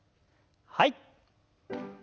はい。